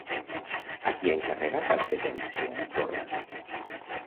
A qui ha encarregat la presència Torra?